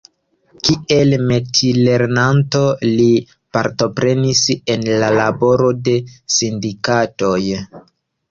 Kiel metilernanto li partoprenis en la laboro de sindikatoj.